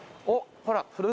おっ！